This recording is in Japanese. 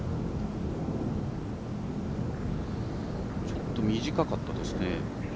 ちょっと短かったですね。